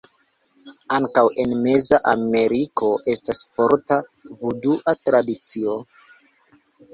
Ankaŭ en meza Ameriko estas forta vudua tradicio.